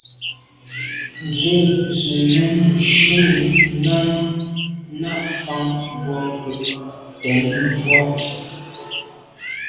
Ndzwə́ zə̄ mɛ̂n shûn Náná ná’ fáŋ bwɔ́ŋkə̂Ɂ tɛ̌n vwá’.